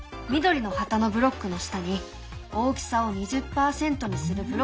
緑の旗のブロックの下に「大きさを２０％にする」